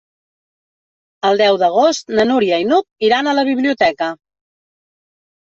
El deu d'agost na Núria i n'Hug iran a la biblioteca.